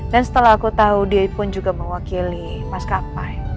dan setelah aku tahu dia pun juga mewakili mas kapai